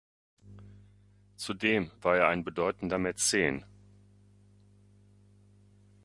Zudem war er ein bedeutender Mäzen.